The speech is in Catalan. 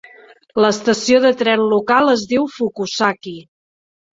L'estació de tren local es diu Fukusaki.